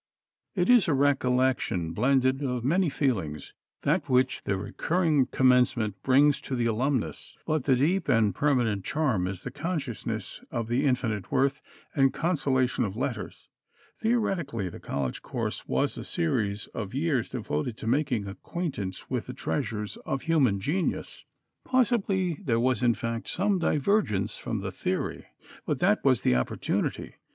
It is a recollection blended of many feelings, that which the recurring Commencement brings to the alumnus. But the deep and permanent charm is the consciousness of the infinite worth and consolation of letters. Theoretically the college course was a series of years devoted to making acquaintance with the treasures of human genius. Possibly there was in fact some divergence from the theory. But that was the opportunity.